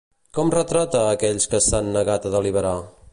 Com retrata a aquells que s'han negat a deliberar?